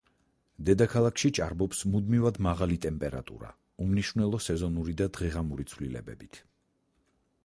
დედაქალაქში ჭარბობს მუდმივად მაღალი ტემპერატურა უმნიშვნელო სეზონური და დღე-ღამური ცვლილებებით.